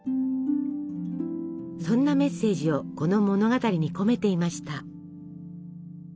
そんなメッセージをこの物語に込めていました。